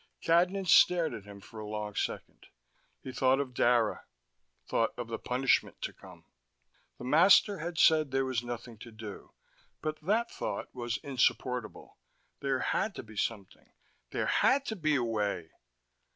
Cadnan stared at him for a long second. He thought of Dara, thought of the punishment to come. The master had said there was nothing to do: but that thought was insupportable. There had to be something. There had to be a way....